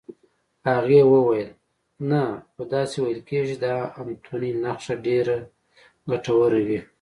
هغې وویل: نه، خو داسې ویل کېږي چې د انتوني نخښه ډېره ګټوره وي.